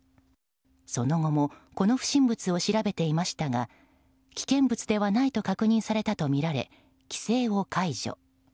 その後もこの不審物を調べていましたが危険物ではないと確認されたとみられ、規制を解除。